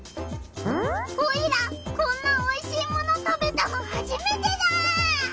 オイラこんなおいしいもの食べたのはじめてだ！